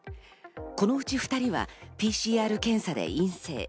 このうち２人はＰＣＲ検査で陰性。